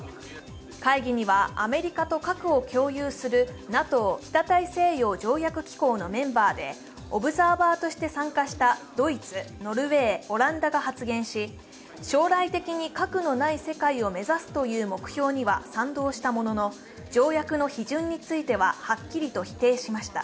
会議にはアメリカと核を共有するＮＡＴＯ＝北大西洋条約機構のメンバーで、オブザーバーとして参加したドイツ、ノルウェー、オランダが発言し将来的に核のない世界を目指すという目標には賛同したものの条約の批准については、はっきりと否定しました。